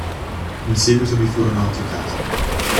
In seguito vi furono altri casi.